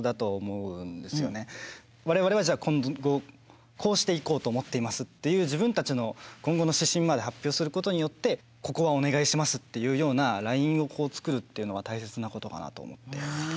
我々はじゃあ今後こうしていこうと思っていますっていう自分たちの今後の指針まで発表することによってここはお願いしますっていうようなラインを作るっていうのは大切なことかなと思って。